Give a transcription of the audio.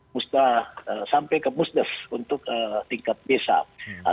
musnah sampai ke pusdes untuk tingkat desa